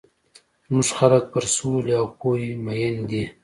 زموږ خلک پر سولي او پوهي مۀين دي.